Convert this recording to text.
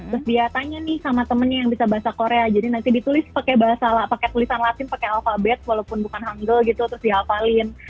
terus dia tanya nih sama temennya yang bisa bahasa korea jadi nanti ditulis pakai bahasa pakai tulisan latin pakai alfabet walaupun bukan hangle gitu terus dihafalin